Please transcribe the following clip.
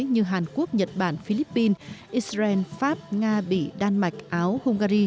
như hàn quốc nhật bản philippines israel pháp nga bỉ đan mạch áo hungary